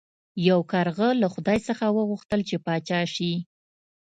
یو کارغه له خدای څخه وغوښتل چې پاچا شي.